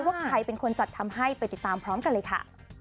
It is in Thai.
ว่าใครเป็นคนจัดทำให้ไปติดตามพร้อมกันเลยค่ะ